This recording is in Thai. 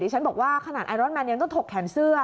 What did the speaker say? ฉันบอกว่าขนาดไอรอนแมนยังต้องถกแขนเสื้อ